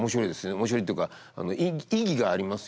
面白いっていうか意義がありますよね。